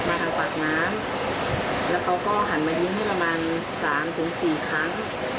มาทางปากน้ำแล้วเขาก็หันมายิ้มให้ประมาณ๓๔ครั้ง